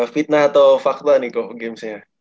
fitnah atau fakta nih kok gamesnya